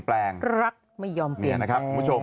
แป๊บแป๊บแป๊บ